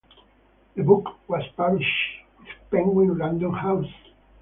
The book was published with Penguin Random House.